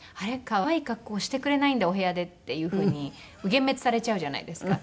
可愛い格好をしてくれないんだお部屋でっていうふうに幻滅されちゃうじゃないですか。